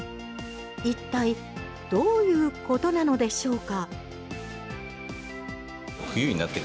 一体どういうことなのでしょうか？